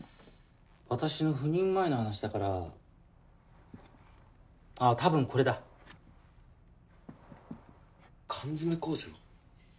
私の赴任前の話だからああ多分これだ缶詰工場？